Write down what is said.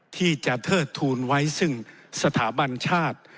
ที่จะเทิดทูลไว้ซึ่งสถาบันชาติ